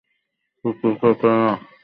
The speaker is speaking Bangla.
ছুটতে ছুটতে তারা তায়েফে এসে পৌঁছল।